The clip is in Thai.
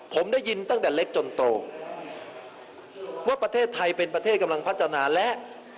ผมได้ยินตั้งแต่เล็กจนโตว่าประเทศไทยเป็นประเทศกำลังพัฒนาและ